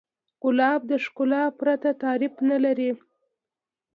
ګلاب د ښکلا پرته تعریف نه لري.